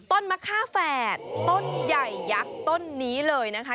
มะค่าแฝดต้นใหญ่ยักษ์ต้นนี้เลยนะคะ